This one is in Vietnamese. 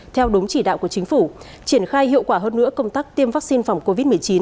theo đúng chỉ đạo của chính phủ triển khai hiệu quả hơn nữa công tác tiêm vaccine phòng covid một mươi chín